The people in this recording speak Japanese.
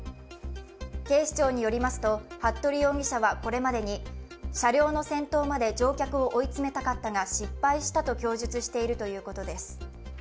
警視庁によりますと服部容疑者はこれまでに車両の先頭まで乗客を追い詰めたかったが失敗したと供述しているということです。